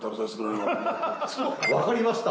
わかりました。